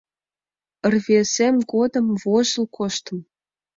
— Рвезем годым вожыл коштым.